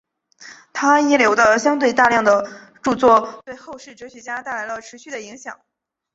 他遗留的相对大量的着作对后世哲学家带来了持续的影响。